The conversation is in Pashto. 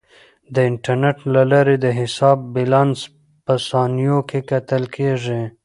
د انټرنیټ له لارې د حساب بیلانس په ثانیو کې کتل کیږي.